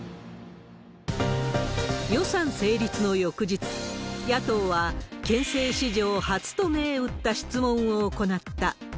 予算成立の翌日、野党は憲政史上初と銘打った質問を行った。